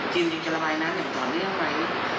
จีนจริงจะระบายน้ำอย่างก่อนได้หรือไม่